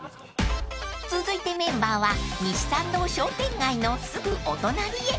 ［続いてメンバーは西参道商店街のすぐお隣へ］